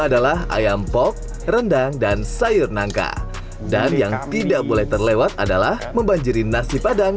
adalah ayam pop rendang dan sayur nangka dan yang tidak boleh terlewat adalah membanjiri nasi padang